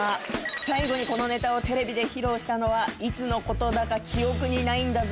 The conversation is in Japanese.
最後にこのネタをテレビで披露したのはいつのことだか記憶にないんだぜ。